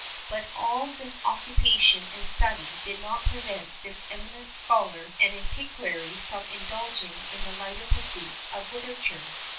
But all this occupation and study did not prevent this eminent scholar and antiquary from indulging in the lighter pursuits of literature.